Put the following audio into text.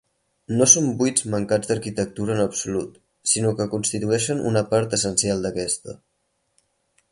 No són buits mancats d'arquitectura en absolut, sinó que constitueixen una part essencial d'aquesta.